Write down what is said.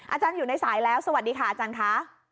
อาจารย์อยู่ในสายแล้วสวัสดีค่ะอาจารย์ค่ะ